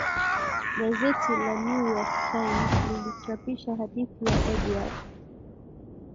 gazeti la new york times lilichapisha hadithi ya edward